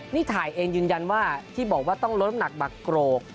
นี่ถ่ายเองยืนยันว่าที่บอกว่าต้องลดน้ำหนักบักโกรก